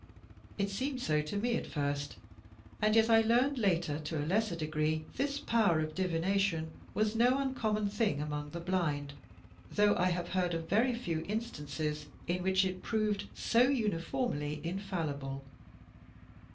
It seemed so to me at first, and yet I learned later that to a lesser degree this power of divination was no uncommon thing among the blind, though I have heard of very few instances in which it proved so uniformly infallible.